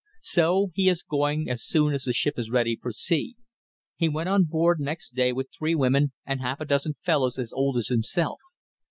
So he is going as soon as the ship is ready for sea. He went on board next day with three women and half a dozen fellows as old as himself.